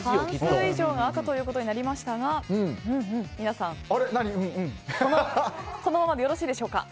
半数以上が赤となりましたが皆さんこのままでよろしいでしょうか。